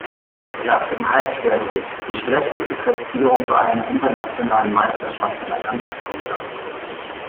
Platz im Halbschwergewicht die schlechteste Platzierung bei einer internationalen Meisterschaft seiner ganzen Karriere.